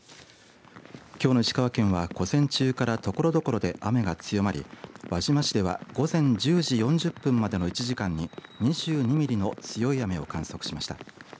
きょうの石川県は午前中からところどころで雨が強まり輪島市では午前１０時４０分までの１時間に２２ミリの強い雨を観測しました。